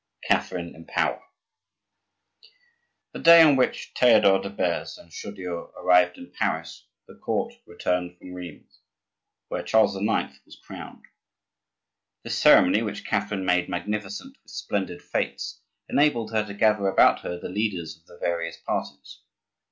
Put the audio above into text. CATHERINE IN POWER The day on which Theodore de Beze and Chaudieu arrived in Paris, the court returned from Rheims, where Charles IX. was crowned. This ceremony, which Catherine made magnificent with splendid fetes, enabled her to gather about her the leaders of the various parties.